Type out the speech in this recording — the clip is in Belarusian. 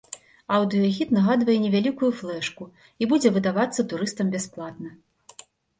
Аўдыёгід нагадвае невялікую флэшку і будзе выдавацца турыстам бясплатна.